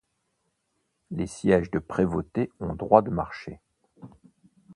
Les sièges de prévôté ont droit de marché.